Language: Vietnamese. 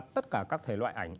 tất cả các thể loại ảnh